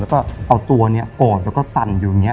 แล้วก็เอาตัวนี้กอดแล้วก็สั่นอยู่อย่างนี้